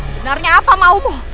benarnya apa maumu